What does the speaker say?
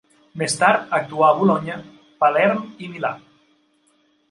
Més tard actuà a Bolonya, Palerm i Milà.